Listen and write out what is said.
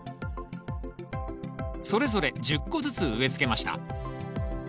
それぞれ１０個ずつ植えつけました。